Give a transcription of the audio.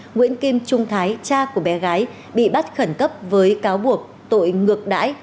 nguyễn kim trung thái cha của bé gái bị bắt khẩn cấp với cáo buộc tội ngược đãi